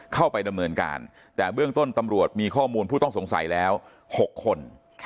เข้าไปดำเนินการแต่เบื้องต้นตำรวจมีข้อมูลผู้ต้องสงสัยแล้ว๖คน